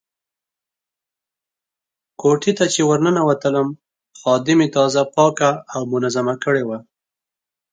کوټې ته چې ورننوتلم خادمې تازه پاکه او منظمه کړې وه.